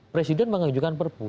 presiden mengajukan perpu